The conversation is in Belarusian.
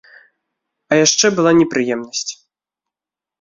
А яшчэ была непрыемнасць.